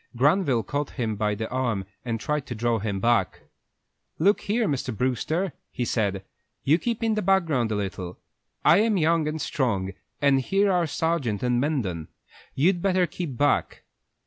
Granville caught him by the arm and tried to draw him back. "Look here, Mr. Brewster," he said, "you keep in the background a little. I am young and strong, and here are Sargent and Mendon. You'd better keep back."